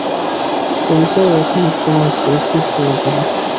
এটাই এখন তোমার বেশী প্রয়োজন।